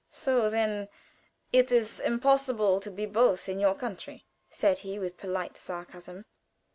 "So! Then it is impossible to be both in your country?" said he, with polite sarcasm.